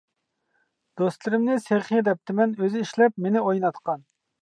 دوستلىرىمنى سېخى دەپتىمەن، ئۆزى ئىشلەپ مېنى ئويناتقان.